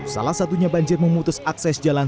salah satunya banjir memutus akses jalan